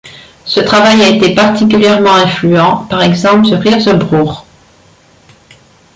Ce travail a été particulièrement influent, par exemple sur Hirzebruch.